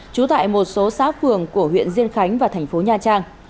trú tại một số xã phường của huyện diên khánh và thành phố nha trang